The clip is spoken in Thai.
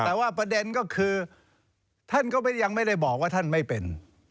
แต่ว่าประเด็นก็คือท่านก็ยังไม่ได้บอกว่าท่านไม่เป็น